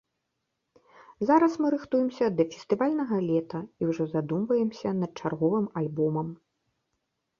Зараз мы рыхтуемся да фестывальнага лета і ўжо задумваемся над чарговым альбомам.